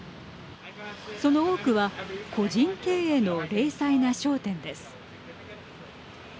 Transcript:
その多くは個人経営の零細な商店です。